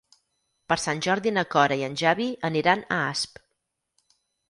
Per Sant Jordi na Cora i en Xavi aniran a Asp.